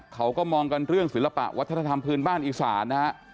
เขาก็มองกันเรื่องศิลปะวัฒนธรรมพื้นบ้านอีสานนะฮะ